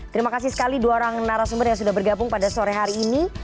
terima kasih sekali dua orang narasumber yang sudah bergabung pada sore hari ini